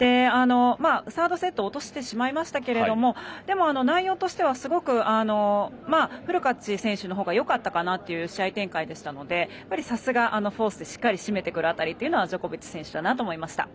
サードセットを落としてしまいましたがでも内容としてはフルカッチ選手の方がよかったかなという試合展開でしたのでやっぱりさすがフォースでしっかり締めてくる辺りジョコビッチ選手だなと思いました。